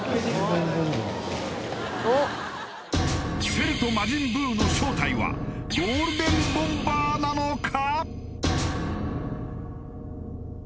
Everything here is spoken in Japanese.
セルと魔人ブウの正体はゴールデンボンバーなのか？